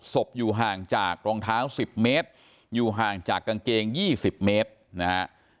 อยู่ห่างจากรองเท้า๑๐เมตรอยู่ห่างจากกางเกง๒๐เมตรนะฮะ